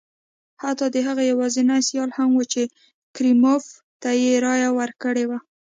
حتی د هغه یوازیني سیال هم وویل چې کریموف ته یې رایه ورکړې وه.